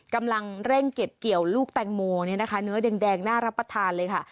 กำลังเร่งเก็บเกี่ยวลูกแตงโมเนี่ยนะคะเนื้อแดงน่ารับประทานเลยค่ะ